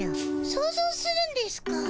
想ぞうするんですかぁ？